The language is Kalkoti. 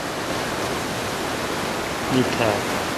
می تھال۔